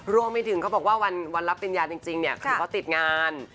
รวมไปถึงเขาบอกว่าวันรับปริญญาจริงเนี่ยคือเขาติดงาน